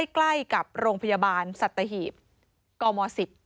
ใกล้กับโรงพยาบาลสัตหีบกม๑๐